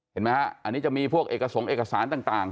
เห็นไหมฮะอันนี้จะมีพวกเอกสงค์เอกสารต่าง